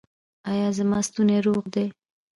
ایا زما ستونی روغ دی؟